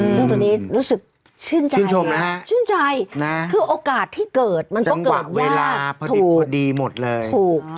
ซึ่งตอนนี้รู้สึกชื่นใจชื่นใจคือโอกาสที่เกิดมันก็เกิดว่าถูก